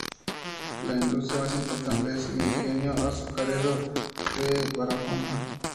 La industria más importante es el Ingenio Azucarero de Barahona.